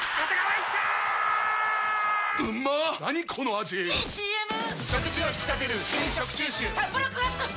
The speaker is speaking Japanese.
⁉いいＣＭ！！